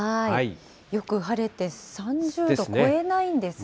よく晴れて３０度超えないんですね。